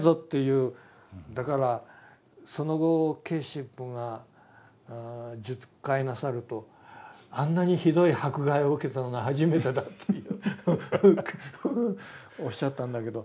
だからその後Ｋ神父が述懐なさると「あんなにひどい迫害を受けたのは初めてだ」っておっしゃったんだけど。